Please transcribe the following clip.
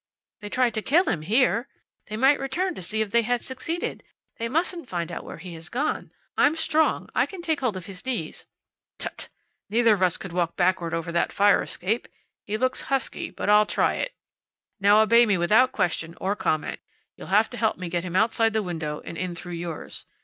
"They tried to kill him here. They might return to see if they had succeeded. They mustn't find where he has gone. I'm strong. I can take hold of his knees." "Tut! Neither of us could walk backward over that fire escape. He looks husky, but I'll try it. Now obey me without question or comment. You'll have to help me get him outside the window and in through yours.